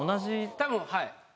多分はい。